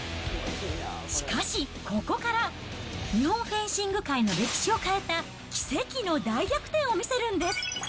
しかし、ここから、日本フェンシング界の歴史を変えた奇跡の大逆転を見せるんです。